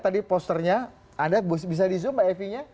tadi posternya anda bisa di zoom mbak evi nya